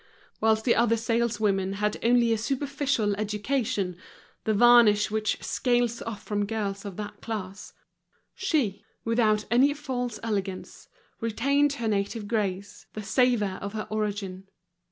Whilst the other saleswomen had only a superficial education, the varnish which scales off from girls of that class, she, without any false elegance, retained her native grace, the savor of her origin.